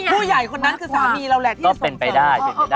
พูดใหญ่คนนั้นคือสามีเราแหละที่จะส่งเสริม